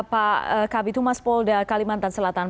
pak kabitumas polda kalimantan selatan